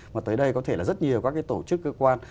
mà tới đây có thể là rất nhiều các cái tổ chức cơ quan